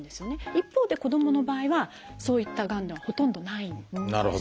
一方で子どもの場合はそういったがんではほとんどないんです。